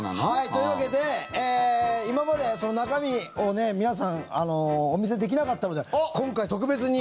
というわけで今まで中身を、皆さんお見せできなかったので今回、特別に。